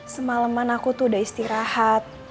semalaman aku tuh udah istirahat